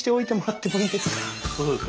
そうですか。